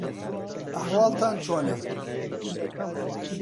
ئەحواڵتان چۆنە؟